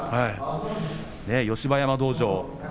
吉葉山道場